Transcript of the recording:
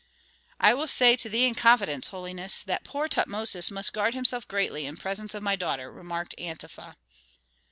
"I will say to thee in confidence, holiness, that poor Tutmosis must guard himself greatly in presence of my daughter," remarked Antefa.